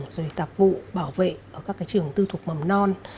rồi tạp vụ bảo vệ ở các trường tư thuộc mầm non